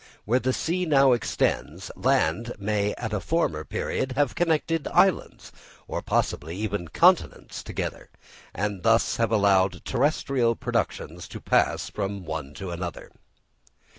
Where the sea now extends, land may at a former period have connected islands or possibly even continents together, and thus have allowed terrestrial productions to pass from one to the other.